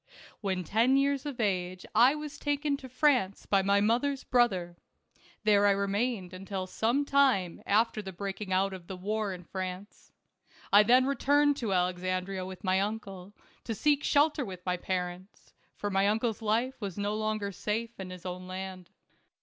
When ten years of age, I was taken to France by my mother's brother. There I remained until some time after the breaking out of the wars in France. I then returned to Alexandria with my uncle, to seek shelter with my parents ; for my uncle's life was no longer safe in his own land.